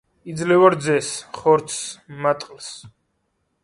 იძლევა რძეს, ხორცს, მატყლს.